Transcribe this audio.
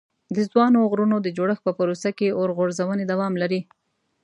د ځوانو غرونو د جوړښت په پروسه کې اور غورځونې دوام لري.